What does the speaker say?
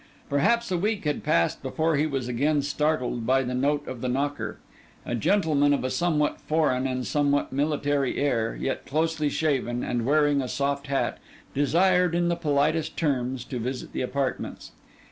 Perhaps a week had passed before he was again startled by the note of the knocker. A gentleman of a somewhat foreign and somewhat military air, yet closely shaven and wearing a soft hat, desired in the politest terms to visit the apartments.